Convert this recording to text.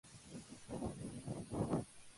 Su límite está marcado por muros de laterita.